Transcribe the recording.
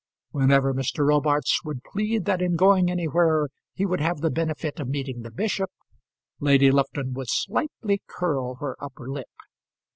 Whenever Mr. Robarts would plead that in going anywhere he would have the benefit of meeting the bishop, Lady Lufton would slightly curl her upper lip.